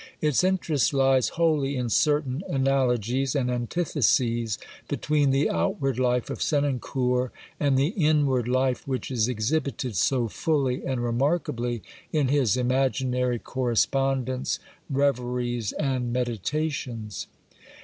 Its interest lies wholly in certain analogies and antitheses between the outward life of Senancour and the inward life which is exhibited so fully and remarkably in his imaginary correspondence, reveries and meditations.